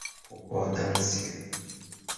concordância